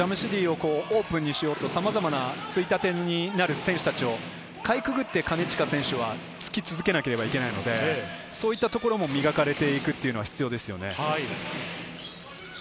あとはイランの場合はジャムシディをオープンにしようと、さまざまな衝立になる選手たちをかいくぐって金近選手が付き続けなければいけないので、そういったところも磨かれていくのは必要ですね。